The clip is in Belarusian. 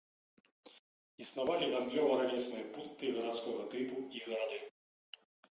Існавалі гандлёва-рамесныя пункты гарадскога тыпу і гарады.